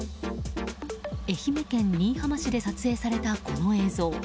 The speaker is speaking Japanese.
愛媛県新居浜市で撮影されたこの映像。